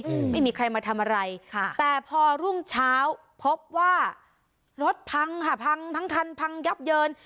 อืมไม่มีใครมาทำอะไรค่ะแต่พอรุ่งเช้าพบว่ารถพังค่ะพังทั้งคันพังยับเยิน